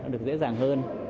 được dễ dàng hơn